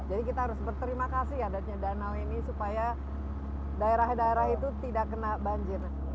jadi kita harus berterima kasih adatnya danau ini supaya daerah daerah itu tidak kena banjir